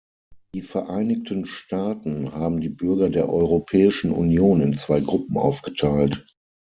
Die Vereinigten Staaten haben die Bürger der Europäischen Union in zwei Gruppen aufgeteilt.